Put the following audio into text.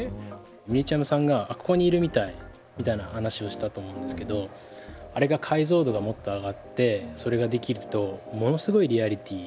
みりちゃむさんが「ここにいるみたい」みたいな話をしたと思うんですけどあれが解像度がもっと上がってそれができるとものすごいリアリティーで。